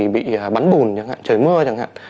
bị bắn bùn chẳng hạn trời mưa chẳng hạn